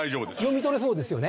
読み取れそうですよね？